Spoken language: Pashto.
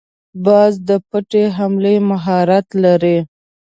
باز د پټې حملې مهارت لري